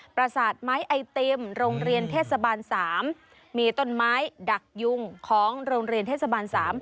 ประสาทไม้ไอติมโรงเรียนเทศบาล๓มีต้นไม้ดักยุงของโรงเรียนเทศบาล๓